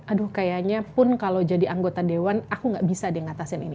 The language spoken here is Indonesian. aduh kayaknya pun kalau jadi anggota dewan aku gak bisa deh ngatasin ini